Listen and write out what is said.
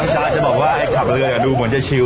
น้องจารย์จะบอกว่าขับเรือดูเหมือนจะชิล